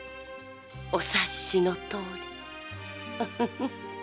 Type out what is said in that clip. お察しのとおり。